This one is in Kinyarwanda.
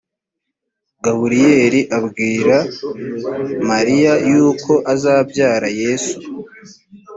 gaburiyeli abwira mariya yuko azabyara yesu